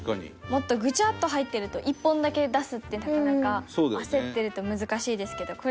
もっとグチャッと入ってると１本だけ出すってなかなか焦ってると難しいですけど。